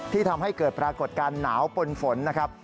ทำให้เกิดปรากฏการณ์หนาวปนฝนนะครับ